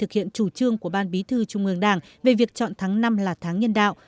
khiến chủ trương của ban bí thư trung ương đảng về việc chọn tháng năm là tháng nhân đạo